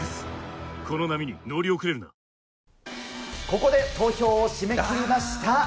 ここで投票を締め切りました。